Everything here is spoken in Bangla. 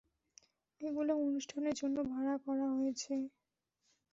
এগুলো অনুষ্ঠানের জন্য ভাড়া করা হয়েছে।